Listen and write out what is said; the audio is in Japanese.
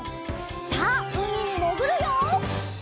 さあうみにもぐるよ！